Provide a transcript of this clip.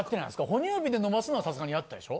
哺乳瓶で飲ますのはさすがにやったでしょ？